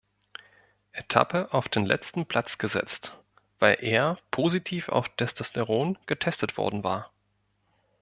Etappe auf den letzten Platz gesetzt, weil er positiv auf Testosteron getestet worden war.